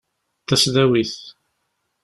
Tasdawit.